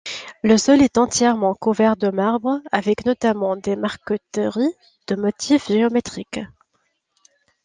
Le sol est entièrement couvert de marbre, avec notamment des marqueteries de motifs géométriques.